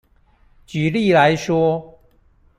舉例來說